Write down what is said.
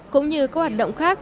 cũng như các hoạt động khác